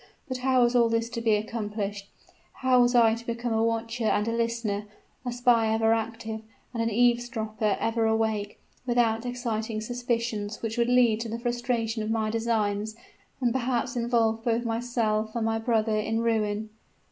But how was all this to be accomplished? how was I to become a watcher and a listener a spy ever active, and an eavesdropper ever awake without exciting suspicions which would lead to the frustration of my designs, and perhaps involve both myself and my brother in ruin?